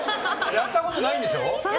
やったことないんでしょ？